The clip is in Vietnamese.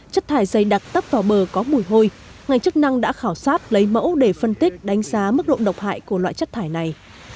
chất thải dày đặc tấp vào bờ có mùi hôi ngành chức năng đã khảo sát lấy mẫu để phân tích đánh giá mức độ độc hại của loại chất thải này